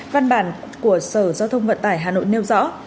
văn bản của sở giao thông vận tải hà nội nêu rõ